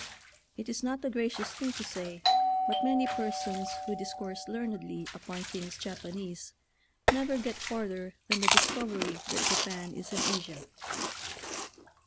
It is not a gracious thing to say, but many persons who discourse learnedly upon things Japanese never get farther than the' discovery that Japan is in Asia.